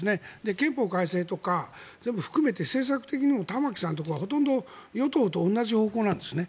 憲法改正とか全部含めて政策的にも、玉木さんとかはほとんど与党と同じ方向なんですね。